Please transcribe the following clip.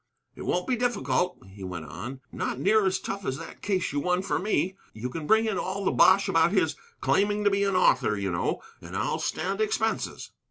"It won't be difficult," he went on; "not near as tough as that case you won for me. You can bring in all the bosh about his claiming to be an author, you know. And I'll stand expenses."